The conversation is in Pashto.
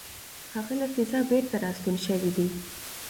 هغه له فضا بېرته راستون شوی دی.